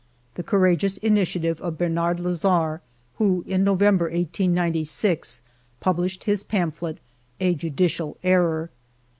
The courageous initiative of Bernard Lazare, who, in November, 1896, published his pam phlet, " A Judicial Error."